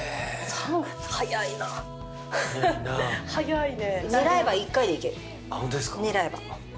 早いね。